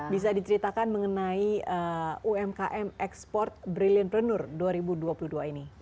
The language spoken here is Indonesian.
bisa diceritakan mengenai umkm ekspor brilliantpreneur dua ribu dua puluh dua ini